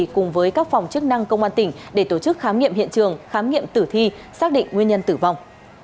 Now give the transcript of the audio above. cùng với các phòng chức năng công an tỉnh để tổ chức khám nghiệm hiện trường khám nghiệm tử thi xác định nguyên nhân tử vong